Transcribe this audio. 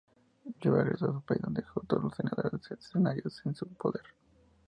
Juba regresó a su país donde ejecutó a los senadores cesarianos en su poder.